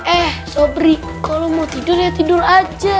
eh sobri kalau mau tidur ya tidur aja